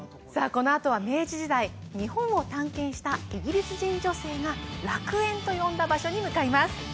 このあとは明治時代日本を探検したイギリス人女性が楽園と呼んだ場所に向かいます